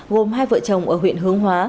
gồm hai vợ chồng ở huyện hướng hóa